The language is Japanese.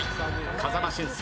風間俊介。